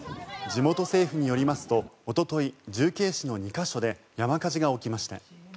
地元政府によりますとおととい、重慶市の２か所で山火事が起きました。